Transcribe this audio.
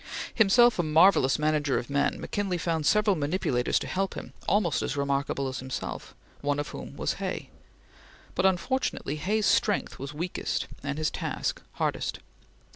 Himself a marvellous manager of men, McKinley found several manipulators to help him, almost as remarkable as himself, one of whom was Hay; but unfortunately Hay's strength was weakest and his task hardest.